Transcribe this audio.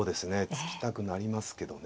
突きたくなりますけどね。